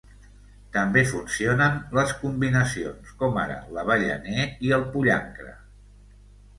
També funcionen les combinacions, com ara l'avellaner i el pollancre.